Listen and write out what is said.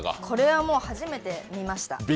これは初めて見ました。